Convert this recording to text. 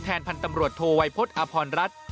แทนพันธุ์ตำรวจโทวัยพจน์อพรรณรัฐ